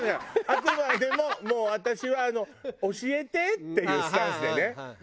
あくまでももう私はあの「教えて！」っていうスタンスでねうん。